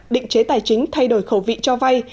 định chế tài chính thay đổi khẩu vị cho vay